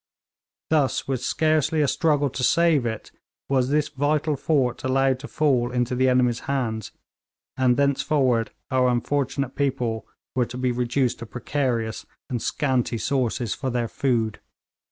Thus, with scarcely a struggle to save it, was this vital fort allowed to fall into the enemy's hands, and thenceforward our unfortunate people were to be reduced to precarious and scanty sources for their food.